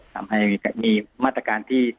ทำให้มีมาตรการที่